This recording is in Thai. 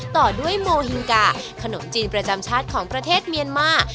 ต่อด้วยโมฮิงกาขนมจีนประจำชาติของประเทศเมียนมา